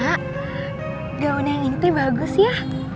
nah gaun yang ini bagus ya